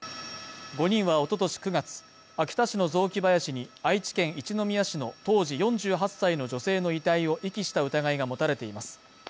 ５人はおととし９月、秋田市の雑木林に、愛知県一宮市の当時４８歳の女性の遺体を遺棄した疑いが持たれています。